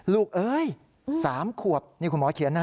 เอ้ย๓ขวบนี่คุณหมอเขียนนะ